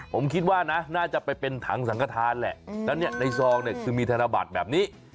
ผมคิดว่าน่าจะไปเป็นถังสังกระทานแหละแล้วนี่ในซองซึ่งมีธนบัตรแบบนี้